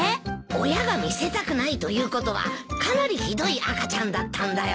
親が見せたくないということはかなりひどい赤ちゃんだったんだよ。